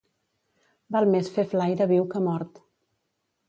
Val més fer flaire viu que mort.